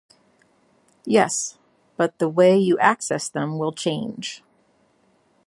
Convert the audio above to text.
Yes - but the way you access them will change.